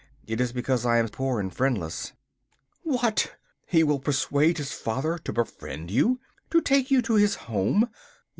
It is because I am poor and friendless.' 'What! he will persuade his father to befriend you? to take you to his home?